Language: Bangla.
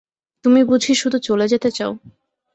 তুমি বুঝি শুধু চলে যেতে চাও?